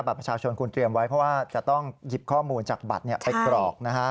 ประชาชนคุณเตรียมไว้เพราะว่าจะต้องหยิบข้อมูลจากบัตรไปกรอกนะฮะ